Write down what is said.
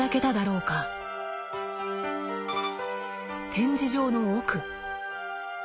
展示場の奥。